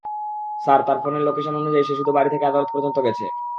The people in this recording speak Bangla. স্যার, তার ফোনের লোকেশান অনুযায়ী, সে শুধু বাড়ি থেকে আদালত পর্যন্ত গেছে।